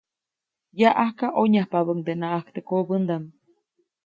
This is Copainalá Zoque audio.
Yaʼajka ʼonyajpabäʼundenaʼajk teʼ kobändaʼm.